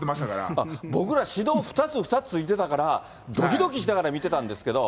あっ、僕ら、指導２つ、２つ、付いてたからどきどきしながら見てたんですけど。